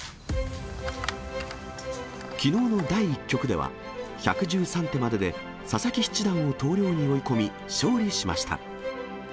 きのうの第１局では、１１３手までで佐々木七段を投了に追い込み、勝利しました。